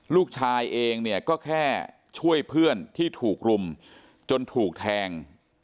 ลูกชายเองเนี่ยก็แค่ช่วยเพื่อนที่ถูกรุมจนถูกแทง